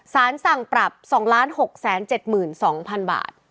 สารสั่งปรับ๒๖๗๒๐๐๐บาท